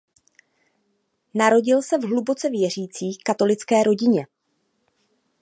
Narodil se v hluboce věřící katolické rodině.